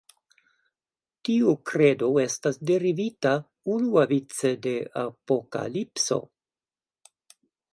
Tiu kredo estas derivita unuavice de Apokalipso.